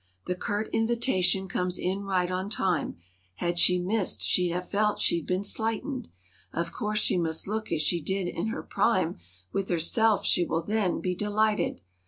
The curt invitation comes in right on time— Had she missed, she'd have felt she'd been slight¬ ed— Of course she must look as she did in her prime; With herself, she will then be delighted.